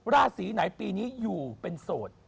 ราศีไหนปีนี้อยู่เป็นโสด